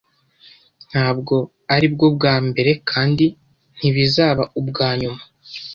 Ntabwo aribwo bwa mbere kandi ntibizaba ubwa nyuma.